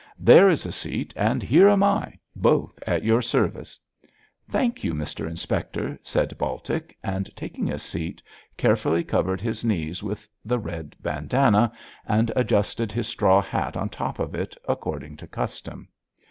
There is a seat, and here am I; both at your service.' 'Thank you, Mr Inspector,' said Baltic, and, taking a seat, carefully covered his knees with the red bandanna, and adjusted his straw hat on top of it according to custom.